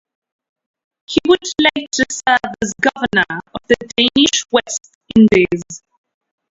He would later serve as governor of the Danish West Indies.